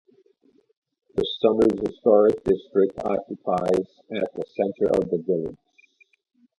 The Somers Historic District occupies at the center of the village.